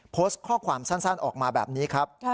โพสต์ข้อความสั้นออกมาแบบนี้ครับ